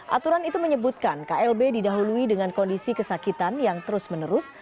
aturan itu menyebutkan klb didahului dengan kondisi kesakitan yang terus menerus